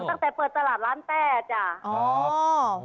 ตั้งแต่เปิดตลาดร้านแต้จ้ะ